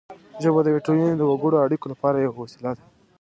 ژبه د یوې ټولنې د وګړو د اړیکو لپاره یوه وسیله ده